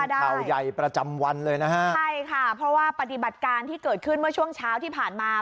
ข่าวใหญ่ประจำวันเลยนะฮะใช่ค่ะเพราะว่าปฏิบัติการที่เกิดขึ้นเมื่อช่วงเช้าที่ผ่านมา